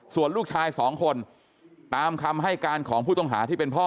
ส่วนลูกชายสองคนตามคำให้การของผู้ต้องหาที่เป็นพ่อ